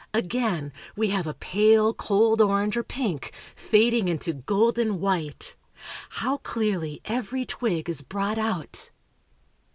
Again, we have a pale, cold orange, or pink, fading into golden white! How clearly every twig is brought out!